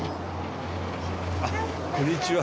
あっこんにちは。